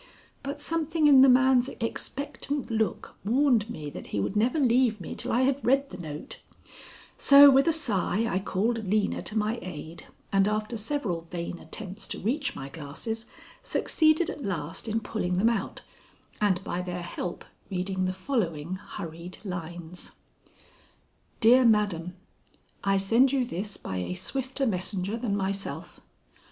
But something in the man's expectant look warned me that he would never leave me till I had read the note, so with a sigh I called Lena to my aid, and after several vain attempts to reach my glasses, succeeded at last in pulling them out, and by their help reading the following hurried lines: "DEAR MADAM: "I send you this by a swifter messenger than myself.